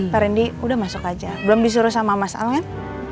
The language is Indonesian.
pak rendy udah masuk aja belum disuruh sama mas alen